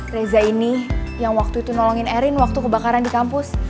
reza ini yang waktu itu nolongin erin waktu kebakaran di kampus